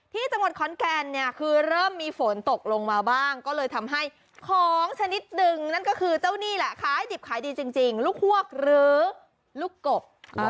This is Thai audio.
ที่จังหวัดขอนแก่นเนี่ยคือเริ่มมีฝนตกลงมาบ้างก็เลยทำให้ของชนิดหนึ่งนั่นก็คือเจ้านี่แหละขายดิบขายดีจริงลูกฮวกหรือลูกกบ